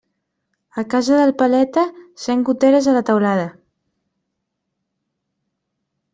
A casa del paleta, cent goteres a la teulada.